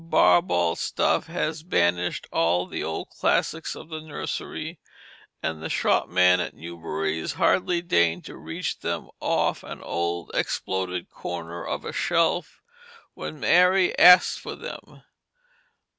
Barbauld's stuff has banished all the old classics of the nursery, and the shopman at Newbery's hardly deigned to reach them off an old exploded corner of a shelf, when Mary asked for them.